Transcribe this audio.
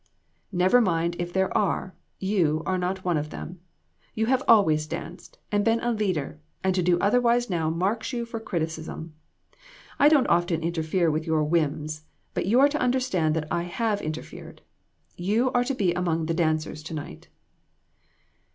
"Never mind if there are; you are not one of them. You have always danced, and been a leader, and to do otherwise now marks you for criticism. I don't often interfere with your whims, but you are to understand that I have interfered. You are to be among the dancers to night."